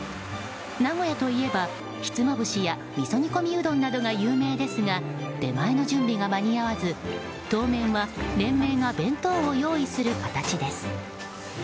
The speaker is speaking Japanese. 名古屋といえばひつまぶしやみそ煮込みうどんなどが有名ですが出前の準備が間に合わず、当面は連盟が弁当を用意する形です。